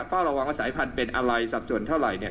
เฝ้าระวังว่าสายพันธุ์เป็นอะไรสับสนเท่าไหร่